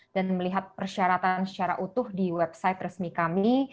dan melihat persyaratan secara utuh di website resmi kami